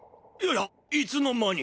やっいつの間に！